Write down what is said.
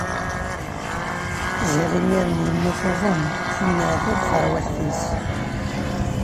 Ziɣ imiren yemma tuḍen, tenneɛtab terwiḥt-is.